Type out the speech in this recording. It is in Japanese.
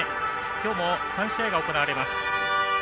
今日も３試合が行われます。